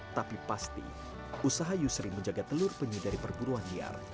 tapi pasti usaha yusri menjaga telur penyu dari perburuan liar